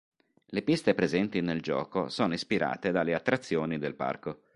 Le piste presenti nel gioco sono ispirate dalle attrazioni del parco.